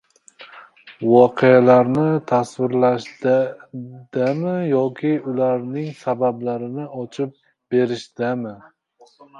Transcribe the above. Voqealarni tasvirlashdami yoki ularning sabablarini ochib berishdami?